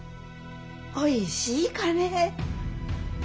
おいしいかねぇ？